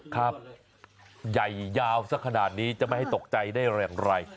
ครับใหญ่ยาวสักขนาดนี้จะไม่ให้ตกใจได้อย่างไร